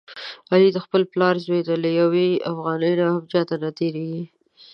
علي د خپل پلار زوی دی، له یوې افغانۍ نه هم چاته نه تېرېږي.